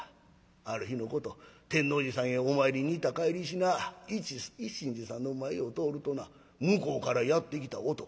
ある日のこと天王寺さんへお参りに行った帰りしな一心寺さんの前を通るとな向こうからやって来た男